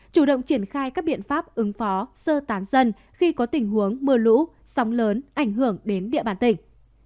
chủ động triển khai các biện pháp ứng phó sơ tán dân khi có tình huống mưa lũ sóng lớn ảnh hưởng đến địa bàn tỉnh